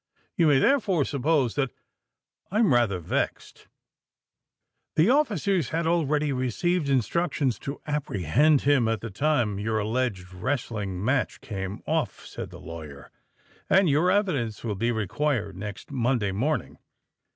You may therefore suppose that I'm rather vexed——" "The officers had already received instructions to apprehend him at the time your alleged wrestling match came off," said the lawyer; "and your evidence will be required next Monday morning."